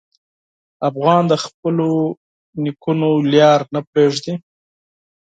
افغان د خپلو نیکونو لار نه پرېږدي.